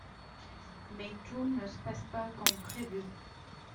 Mais tout ne se passe pas comme prévu...